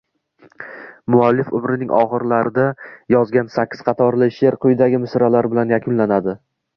Muallif umrining oxirlarida yozgan sakkiz qatorli sheʼr quyidagi misralar bilan yakunlanadi